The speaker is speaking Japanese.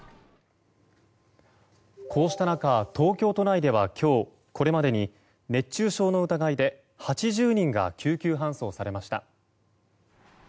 こうした中東京都内では今日これまでに熱中症の疑いで８０人が救急搬送されました。